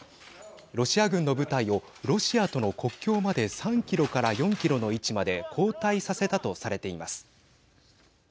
ロシア軍の部隊をロシアとの国境まで３キロから４キロの位置まで後退させたとされています。